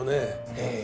ええ。